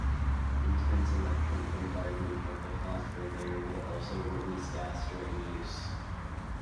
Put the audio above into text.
Intense electron bombardment of the phosphor layer will also release gas during use.